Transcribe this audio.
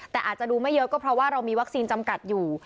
แต่อาจจะดูไม่เยอะก็เพราะว่าเรามีวัคซีนจำกัดอยู่